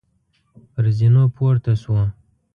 پر زینو پورته شوو.